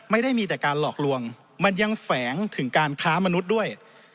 ไม่ได้มีแต่การหลอกลวงมันยังแฝงถึงการค้ามนุษย์ด้วย